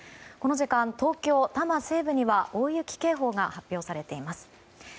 この時間、東京多摩西部には大雪警報が発表されています。